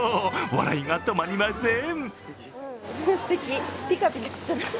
笑いが止まりません。